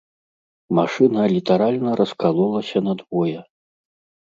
Машына літаральна раскалолася надвое.